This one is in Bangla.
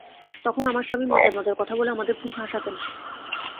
তখন আমার স্বামী মজার মজার কথা বলে আমাদের খুব হাসাতেন।